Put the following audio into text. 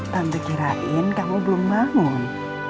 tante kirain kamu belum bangun